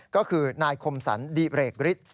ก็คือนายคมสรรดิเรกฤทธิ์